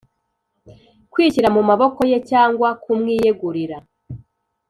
“kwishyira mu maboko ye” cyangwa “kumwiyegurira,”